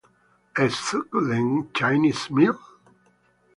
A succulent Chinese meal?